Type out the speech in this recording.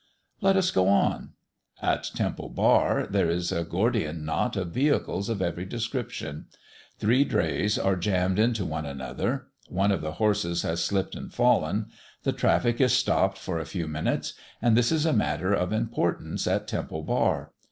Let us go on. At Temple Bar there is a Gordian knot of vehicles of every description. Three drays are jammed into one another. One of the horses has slipped and fallen. The traffic is stopped for a few minutes; and this is a matter of importance at Temple Bar.